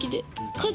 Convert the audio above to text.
家事。